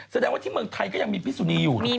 แสดงว่าที่เมืองไทยก็ยังมีพิสุนีอยู่